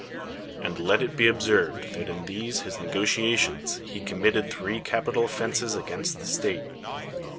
And let it be observed that in these his nego tiations he committed three capital offenses against the state.